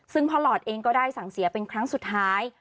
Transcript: ซึ่งพ่อหลอดเองก็ได้สั่งเสียเป็นครั้งสุดท้าย